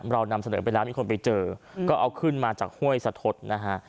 เรานำเสนอไปแล้วมีคนไปเจอก็เอาขึ้นมาจากห้วยสะทดนะฮะ